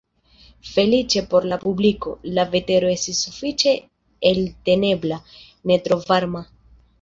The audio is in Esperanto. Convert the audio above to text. Feliĉe por la publiko, la vetero estis sufiĉe eltenebla, ne tro varma.